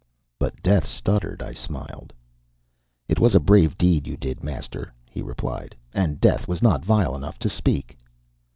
"But death stuttered," I smiled. "It was a brave deed you did, master," he replied, "and Death was not vile enough to speak."